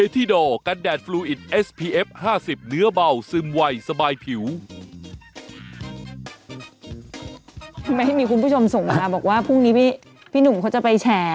ทำไมมีคุณผู้ชมส่งมาบอกว่าพรุ่งนี้พี่หนุ่มเขาจะไปแชร์